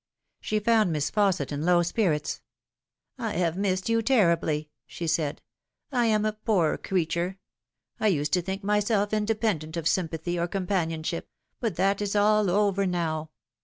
She found Miss Fausset in low spirits. " I have missed you terribly," she said. " I am a poor crea ture. I used to think myself independent of sympathy or com panionship but that is all over now.